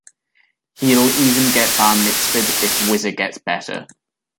He'll even get Bar Mitzvahed if Whizzer gets better.